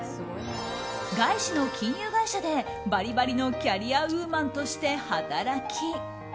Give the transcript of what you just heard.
外資の金融会社で、バリバリのキャリアウーマンとして働き